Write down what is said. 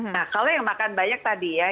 nah kalau yang makan banyak tadi ya